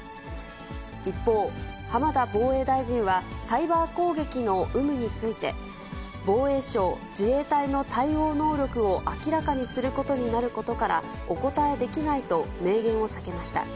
一方、浜田防衛大臣は、サイバー攻撃の有無について、防衛省・自衛隊の対応能力を明らかにすることになることからお答えできないと明言を避けました。